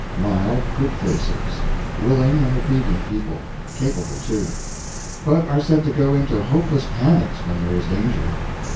Mild, good faces; willing and obedient people; capable, too; but are said to go into hopeless panics when there is danger.